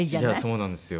そうなんですよ。